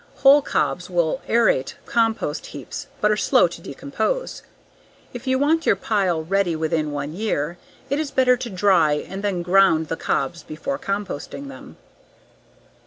Whole cobs will aerate compost heaps but are slow to decompose. If you want your pile ready within one year, it is better to dry and then grind the cobs before composting them.